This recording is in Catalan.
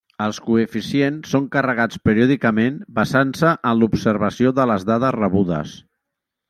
Els coeficients són carregats periòdicament basant-se en l'observació de les dades rebudes.